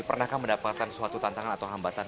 pernahkah mendapatkan suatu tantangan atau hambatan